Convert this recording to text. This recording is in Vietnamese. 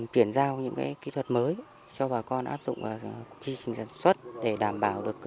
tuyển giao những cái kỹ thuật mới cho bà con áp dụng vào kinh nghiệm sản xuất để đảm bảo được